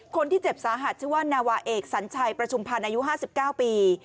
คนที่เจ็บสาหัสชื่อว่านาวาเอกสัญชัยประชุมพันธ์อายุ๕๙ปี